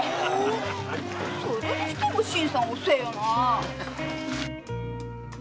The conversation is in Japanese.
それにしても新さん遅いよなあ。